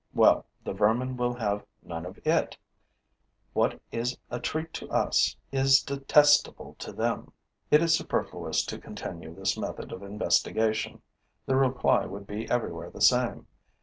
Well, the vermin will have none of it: what is a treat to us is detestable to them. It is superfluous to continue this method of investigation: the reply would be everywhere the same.